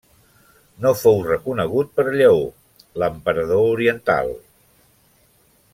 No fou reconegut per Lleó, l'emperador oriental.